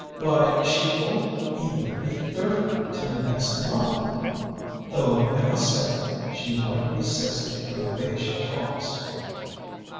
Why, she won't even be thirty till next month! though, I must say, she might be sixty from the way she talks.